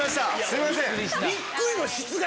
すいません！